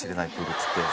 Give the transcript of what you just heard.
っつって。